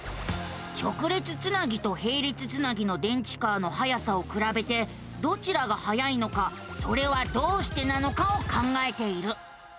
直列つなぎとへい列つなぎの電池カーのはやさをくらべてどちらがはやいのかそれはどうしてなのかを考えている。